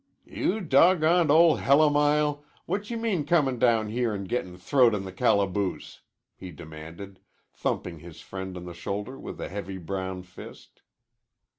"You dawg goned old hellamile, what you mean comin' down here an' gettin' throwed in the calaboose?" he demanded, thumping his friend on the shoulder with a heavy brown fist.